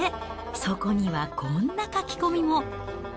そこにはこんな書き込みも。